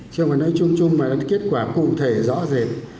chưa phải nói chung chung mà là kết quả cụ thể rõ rệt